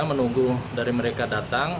menunggu dari mereka datang